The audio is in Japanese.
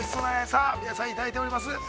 さあ皆さん、いただいております。